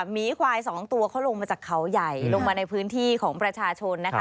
หมีควายสองตัวเขาลงมาจากเขาใหญ่ลงมาในพื้นที่ของประชาชนนะคะ